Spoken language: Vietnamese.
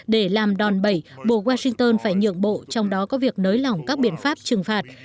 để làm đòn bẩy buộc washington phải nhượng bộ trong đó có việc nới lỏng các biện pháp trừng phạt